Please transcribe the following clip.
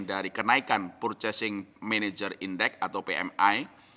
dari kenaikan purchasing manager index atau pmi